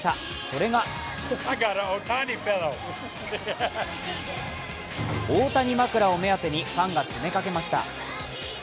それが大谷枕を目当てにファンが詰めかけました。